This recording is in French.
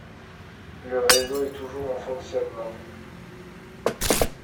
Le réseau est toujours en fonctionnement.